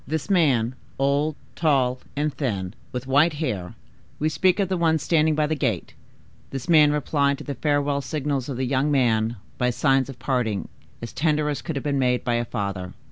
This man, old, tall, and thin, with white hair,—we speak of the one standing by the gate;—this man replied to the farewell signals of the young one by signs of parting as tender as could have been made by a father.